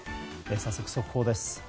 早速、速報です。